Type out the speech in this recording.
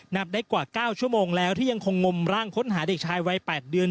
นับได้กว่า๙ชั่วโมงแล้วที่ยังคงงมร่างค้นหาเด็กชายวัย๘เดือน